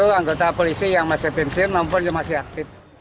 untuk tetap menjaga kesehatan